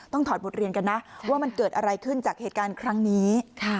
ถอดบทเรียนกันนะว่ามันเกิดอะไรขึ้นจากเหตุการณ์ครั้งนี้